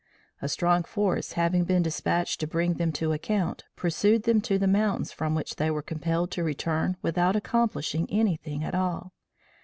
A strong force having been despatched to bring them to account, pursued them to the mountains from which they were compelled to return without accomplishing anything at all.